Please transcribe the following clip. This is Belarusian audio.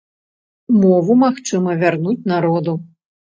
Мову магчыма вярнуць народу.